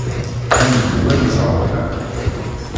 Ad neddu ad nẓer Dan.